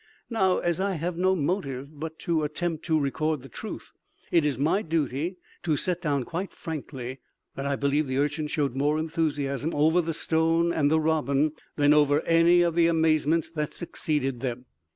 Now, as I have no motive but to attempt to record the truth, it is my duty to set down quite frankly that I believe the Urchin showed more enthusiasm over the stone and the robin than over any of the amazements that succeeded them.